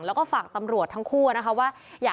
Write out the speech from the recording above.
แล้วก็ฝากตำรวจทั้งคู่นะคะว่า